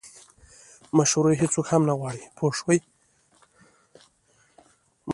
مشورې هیڅوک هم نه غواړي پوه شوې!.